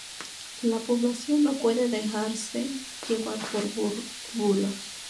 La población no puede dejarse llevar por bulos".